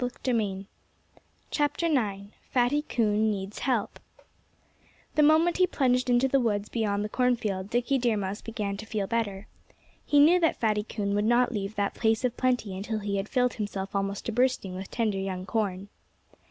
IX FATTY COON NEEDS HELP The moment he plunged into the woods beyond the cornfield Dickie Deer Mouse began to feel better. He knew that Fatty Coon would not leave that place of plenty until he had filled himself almost to bursting with tender young corn.